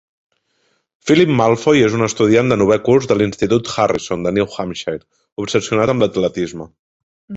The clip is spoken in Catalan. Philip Malloy és un estudiant de novè curs de l'institut Harrison de New Hampshire obsessionat amb l'atletisme.